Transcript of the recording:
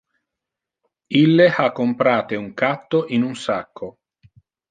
Ille ha comprate un catto in un sacco.